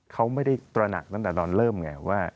เขาไม่ได้ตระหนักตั้งแต่ตอนเริ่มไงว่า